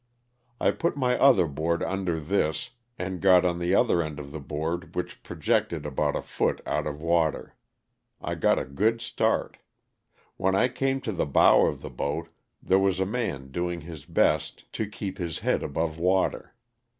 I put my other board under this and got on the other end of the board which projected about a foot out of water. I got a good start. When I came to the bow of the boat there was a man doing his best to keep his 60 LOSS OF THE SULTAI^A. head above water.